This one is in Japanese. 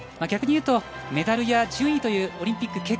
逆にいうとメダルや順位というオリンピック。